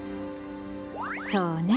そうね。